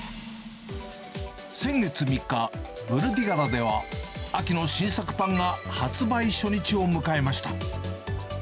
先月３日、ブルディガラでは、秋の新作パンが発売初日を迎えました。